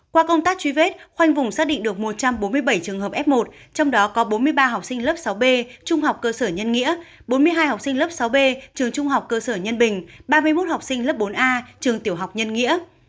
qua công tác truy vết khoanh vùng xác định được một trăm bốn mươi bảy trường hợp f một trong đó có bốn mươi ba học sinh lớp sáu b trung học cơ sở nhân nghĩa bốn mươi hai học sinh lớp sáu b trường trung học cơ sở nhân bình ba mươi một học sinh lớp bốn a trường tiểu học nhân nghĩa